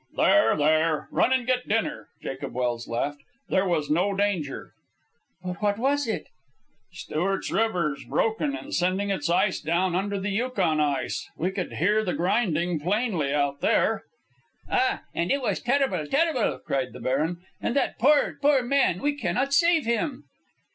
"There, there. Run and get dinner," Jacob Welse laughed. "There was no danger." "But what was it?" "Stewart River's broken and sending its ice down under the Yukon ice. We could hear the grinding plainly out there." "Ah! And it was terrible! terrible!" cried the baron. "And that poor, poor man, we cannot save him!"